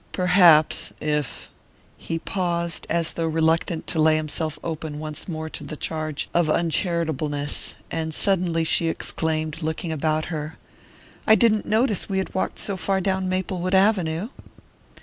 "Perhaps; if " He paused, as though reluctant to lay himself open once more to the charge of uncharitableness; and suddenly she exclaimed, looking about her: "I didn't notice we had walked so far down Maplewood Avenue!"